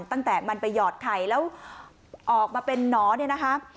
ตั้งแต่มันไปหยอดไข่แล้วออกมาเป็นนอน